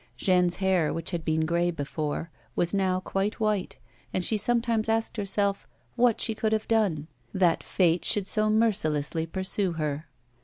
Jeanne's hair, which had been grey before, was now quite white, and she sometimes asked herself what she could have done, that Fate should so mercilessly pursue her.